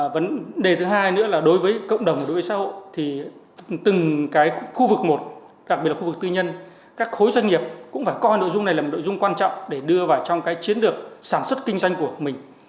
vấn đề thứ hai nữa là đối với cộng đồng đối với xã hội thì từng cái khu vực một đặc biệt là khu vực tư nhân các khối doanh nghiệp cũng phải coi nội dung này là một nội dung quan trọng để đưa vào trong cái chiến lược sản xuất kinh doanh của mình